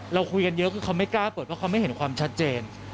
เราคุยกันเยอะคือเขาไม่กล้าเปิดเพราะเขาไม่เห็นความชัดเจน